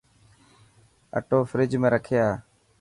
اثو فريج ۾ رکي آءِ.